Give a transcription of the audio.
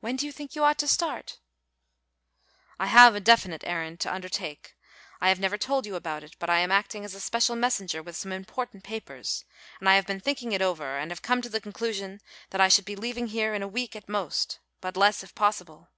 When do you think you ought to start?" "I have a definite errand to undertake. I have never told you about it, but I am acting as a special messenger with some important papers, and I have been thinking it over and have come to the conclusion that I should be leaving here in a week at most, but less if possible."